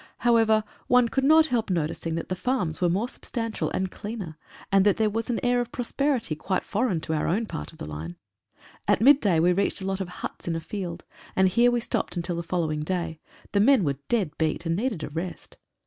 However, one could not help noticing that the farms were more substantial and cleaner, and that there was an air of WITH THE HIGHLANDERS. prosperity quite foreign to our own part of the line. At mid day we reached a lot of huts in a field, and here we stopped until the following day. The men were dead beat, and needed a rest.